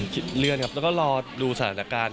เลื่อนครับแล้วก็รอดูสถานการณ์